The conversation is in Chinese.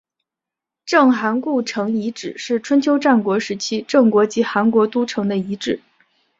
郑韩故城遗址是春秋战国时期郑国及韩国都城的遗址。